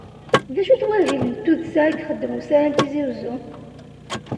D acu-t wahil n tuddsa i ixeddem usarra n Tizi Uzzu?